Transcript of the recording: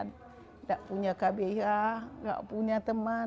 tidak punya kbh nggak punya teman